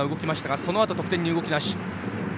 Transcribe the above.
そのあと得点に動きなし